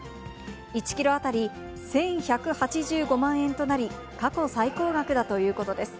１キロ当たり１１８５万円となり、過去最高額だということです。